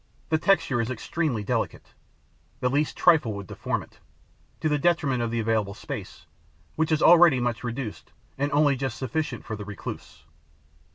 The texture is extremely delicate: the least trifle would deform it, to the detriment of the available space, which is already much reduced and only just sufficient for the recluse.